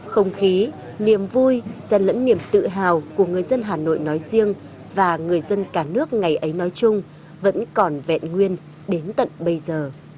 không khí niềm vui xen lẫn niềm tự hào của người dân hà nội nói riêng và người dân cả nước ngày ấy nói chung vẫn còn vẹn nguyên đến tận bây giờ